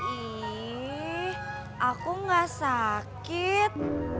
ih aku gak sakit